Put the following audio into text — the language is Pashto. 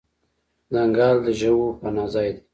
ځنګل د ژوو پناه ځای دی.